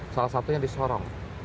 salah satunya di sorong